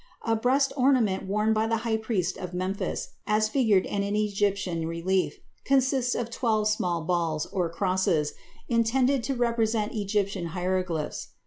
A breast ornament worn by the high priest of Memphis, as figured in an Egyptian relief, consists of twelve small balls, or crosses, intended to represent Egyptian hieroglyphics.